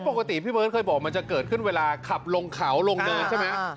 ปกติพี่เบิร์ตเคยบอกมันจะเกิดขึ้นเวลาขับลงเขาลงเนินใช่ไหม